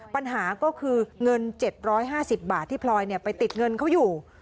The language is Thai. ปัญหาก็คือเงิน๗๕๐บาทที่พลอยไปติดเงินเขาอยู่